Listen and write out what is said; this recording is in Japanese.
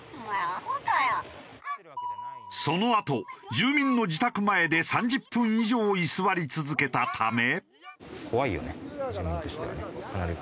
そのあと住民の自宅前で３０分以上居座り続けたため。